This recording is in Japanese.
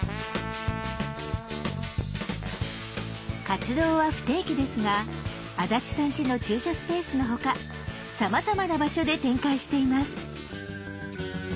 活動は不定期ですが安達さんちの駐車スペースのほかさまざまな場所で展開しています。